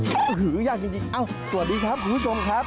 อื้อหือยากจริงสวัสดีครับผู้ชมครับ